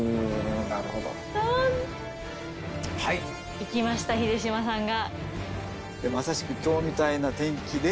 行きました秀島さんが。